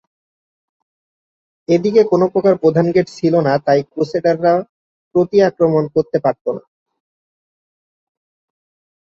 এদিকে কোনো প্রধান গেট ছিল না তাই ক্রুসেডাররা প্রতি আক্রমণ করতে পারত না।